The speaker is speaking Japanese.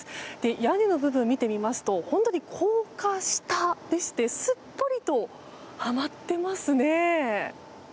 屋根を見てみると、高架下でしてすっぽりとはまってますね。